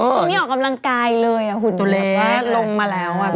ตรงนี้ออกกำลังกายเลยหุ่นลงมาแล้ว